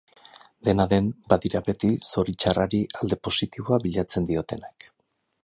Dena den, badira beti zoritxarrari alde positiboa bilatzen diotenak.